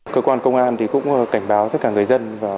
cơ quan công an cũng cảnh báo tất cả người dân